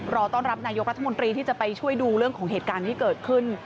รอต้อนรับนายกรัฐมนตรีที่จะไปช่วยดูเรื่องของเหตุการณ์ที่เกิดขึ้น